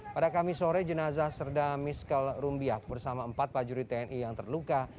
pada kamis sore jenazah serda miskal rumbiak bersama empat prajurit tni yang terluka